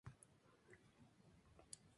La V Asamblea da lugar a la primera escisión.